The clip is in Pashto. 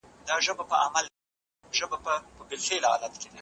که رښتیا وي نو تاله نه وي.